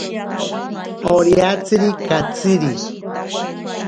Oriatsiri katsiri.